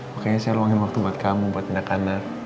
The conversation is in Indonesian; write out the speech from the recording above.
pokoknya saya luangin waktu buat kamu buat tindak anak